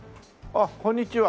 あっこんにちは。